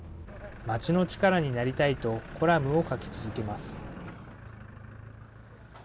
町の力になりたいとコラムを書き続けます。